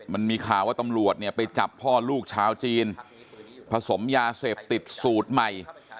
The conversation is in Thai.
มันมีข่าวว่าตำรวจเนี่ยไปจับพ่อลูกชาวจีนผสมยาเสพติดสูตรใหม่